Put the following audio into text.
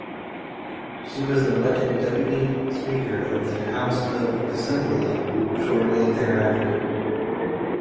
She was elected deputy speaker of the House of Assembly shortly thereafter.